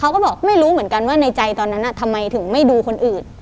เขาก็บอกไม่รู้เหมือนกันว่าในใจตอนนั้นทำไมถึงไม่ดูคนอื่น